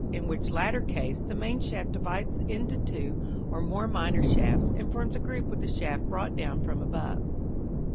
in which latter case the main shaft divides into two or more minor shafts, and forms a group with the shaft brought down from above.